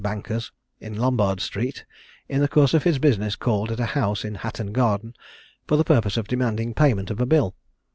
bankers, in Lombard street, in the course of his business called at a house in Hatton garden for the purpose of demanding payment of a bill.